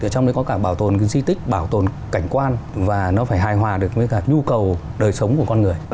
trong đấy có cả bảo tồn di tích bảo tồn cảnh quan và nó phải hài hòa được với cả nhu cầu đời sống của con người